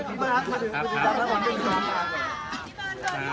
ในสมุทรคืออายุที่ท่านบินมีภาษาใดที่มึงอยากไป